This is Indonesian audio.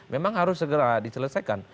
memang harus segera diselesaikan